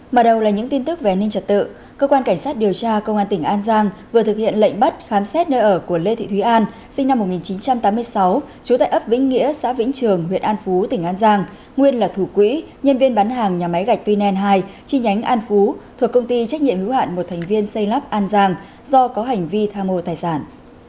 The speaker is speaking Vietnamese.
mở đầu là những tin tức về nên trật tự cơ quan cảnh sát điều tra công an tỉnh an giang vừa thực hiện lệnh bắt khám xét nơi ở của lê thị thúy an sinh năm một nghìn chín trăm tám mươi sáu trú tại ấp vĩnh nghĩa xã vĩnh trường huyện an phú tỉnh an giang nguyên là thủ quỹ nhân viên bán hàng nhà máy gạch tuy nen hai chi nhánh an phú thuộc công ty trách nhiệm hữu hạn một thành viên xây lắp an giang do có hành vi tham hồ tài sản